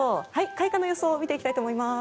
開花の予想を見ていきたいと思います。